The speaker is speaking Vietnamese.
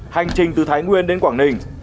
hành trình từ thái nguyên đến quảng ninh